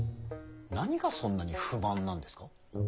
何がそんなに不満なんですか？